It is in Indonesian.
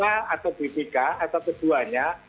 atau bik atau keduanya